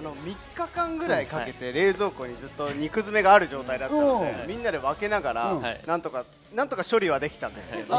３日間ぐらいかけて冷蔵庫に肉詰めがある状態だったので、みんなで分けながら、何とか処理はできたんですけど。